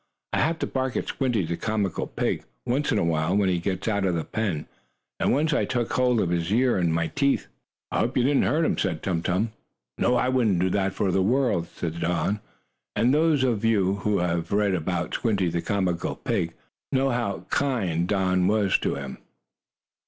"I have to bark at Squinty, the comical pig, once in a while, when he gets out of the pen, and once I took hold of his ear in my teeth." "I hope you didn't hurt him," said Tum Tum. "No, I wouldn't do that for the world," said Don. And those of you who have read about "Squinty, the Comical Pig," know how kind Don was to him.